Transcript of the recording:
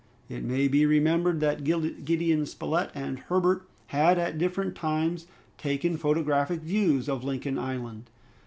It may be remembered that Gideon Spilett and Herbert had, at different times, taken photographic views of Lincoln Island.